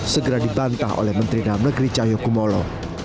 segera dibantah oleh menteri namlegeri cahyokumolo